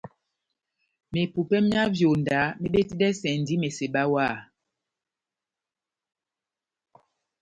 Mepupè myá vyonda mebetidɛsɛndi meseba wah.